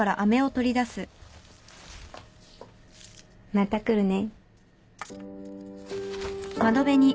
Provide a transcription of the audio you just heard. また来るね。